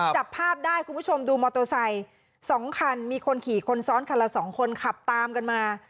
จับภาพได้คุณผู้ชมดูมอเตอร์ไซค์๒คันมีคนขี่คนซ้อนคันละ๒คนขับตามกันมา